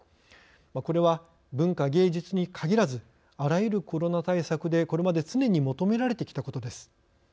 これは、文化芸術に限らずあらゆるコロナ対策でこれまで常に求められてきたことです。